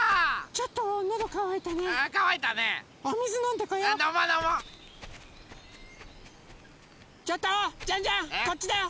ちょっとジャンジャンこっちだよ！